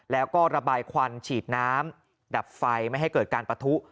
แล้วก็ระบายควันฉีดน้ำดับไฟไม่ให้เกิดการปะทุ